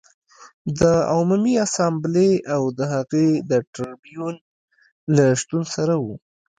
د عمومي اسامبلې او د هغې د ټربیون له شتون سره و